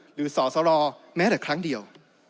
สอสรแม้แต่ครั้งเดียว